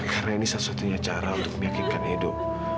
karena ini satu satunya cara untuk meyakinkan edo